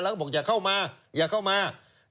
แล้วก็บอกอย่าเข้ามา